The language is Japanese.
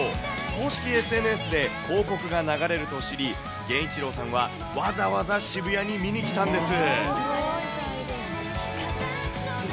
公式ＳＮＳで広告が流れると知り、ゲンイチロウさんはわざわざ渋谷に見に来たんです。